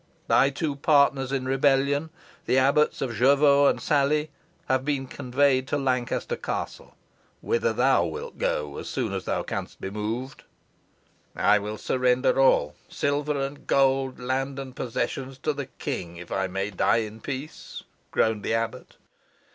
Thy two partners in rebellion, the abbots of Jervaux and Salley, have been conveyed to Lancaster Castle, whither thou wilt go as soon as thou canst be moved." "I will surrender all silver and gold, land and possessions to the king, if I may die in peace," groaned the abbot.